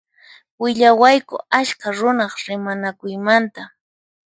Willawayku askha runaq rimanakuymanta.